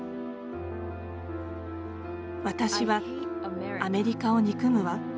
私はアメリカを憎むわ。